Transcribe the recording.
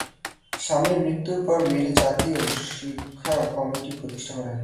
স্বামীর মৃত্যুর পর মেরি জাতীয় স্বাস্থ্য শিক্ষা কমিটি প্রতিষ্ঠা করেন।